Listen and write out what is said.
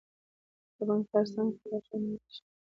د بانک په هره څانګه کې د لارښوونې میز شته.